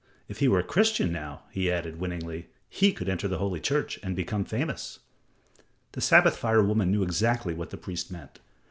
If he were a Christian, now," he added, winningly, "he could enter the Holy Church and become famous." The Sabbath fire woman knew exactly what the priest meant.